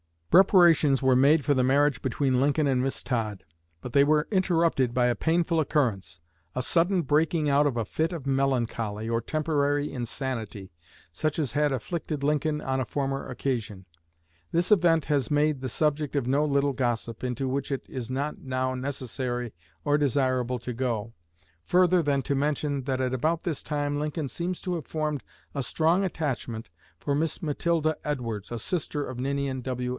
Preparations were made for the marriage between Lincoln and Miss Todd. But they were interrupted by a painful occurrence a sudden breaking out of a fit of melancholy, or temporary insanity, such as had afflicted Lincoln on a former occasion. This event has been made the subject of no little gossip, into which it is not now necessary or desirable to go, further than to mention that at about this time Lincoln seems to have formed a strong attachment for Miss Matilda Edwards, a sister of Ninian W.